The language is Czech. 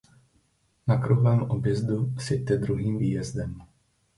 Na kruhovém objezdu sjeďte druhým výjezdem.